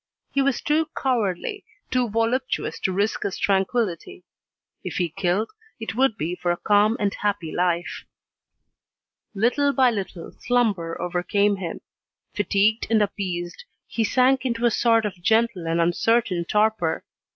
He was too cowardly, too voluptuous to risk his tranquillity. If he killed, it would be for a calm and happy life. Little by little slumber overcame him. Fatigued and appeased, he sank into a sort of gentle and uncertain torpor.